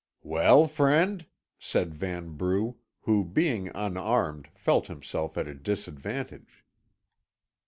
"Well, friend?" said Vanbrugh, who, being unarmed, felt himself at a disadvantage.